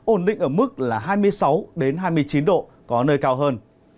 ổn định ở mức là hai mươi sáu hai mươi chín độ có nơi cao hơn